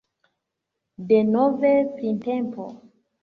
Denove printempo!..